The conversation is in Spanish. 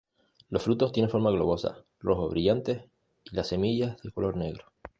Los frutos tienen forma globosa, son rojo brillantes y las semillas de color negro.